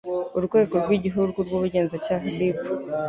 Urwego rw'Igihugu rw'Ubugenzacyaha, RIB